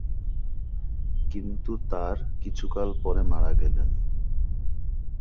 কিন্তু তার কিছুকাল পরে মারা গেলেন।